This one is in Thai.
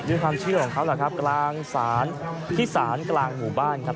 ความเชื่อของเขาแหละครับกลางศาลที่ศาลกลางหมู่บ้านครับ